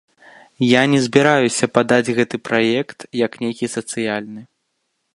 Я не збіраюся падаць гэты праект як нейкі сацыяльны.